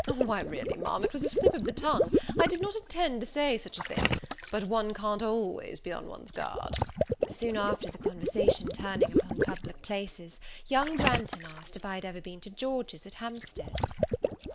"Why, really, Ma'am, it was a slip of the tongue; I did not intend to say such a thing; but one can't always be on one's guard." Soon after, the conversation turning upon public places, young Branghton asked if I had ever been to George's at Hampstead?